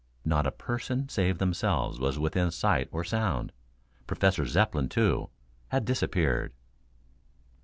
Not a person save themselves was within sight or sound. Professor Zepplin, too, had disappeared.